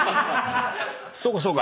そうかそうか。